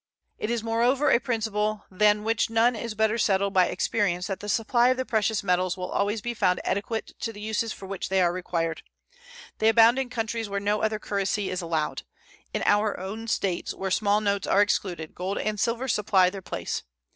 It is, moreover, a principle than which none is better settled by experience that the supply of the precious metals will always be found adequate to the uses for which they are required. They abound in countries where no other currency is allowed. In our own States, where small notes are excluded, gold and silver supply their place.